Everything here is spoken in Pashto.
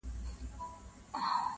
• سر پر سر یې ترېنه وکړلې پوښتني -